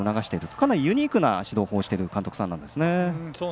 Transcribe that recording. かなりユニークな指導法をしている監督さんなんですね。